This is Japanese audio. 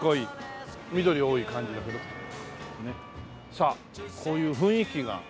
さあこういう雰囲気が。